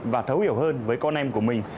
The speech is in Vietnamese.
và thấu hiểu hơn với con em của mình